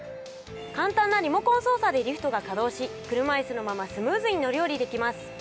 簡単なリモコン操作でリフトが稼働し、車いすのままスムーズに乗り降りできます。